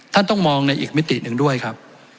ต้องมองในอีกมิติหนึ่งด้วยครับ